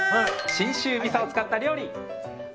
信州みそを使った料理！